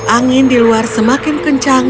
angin di luar semakin kencang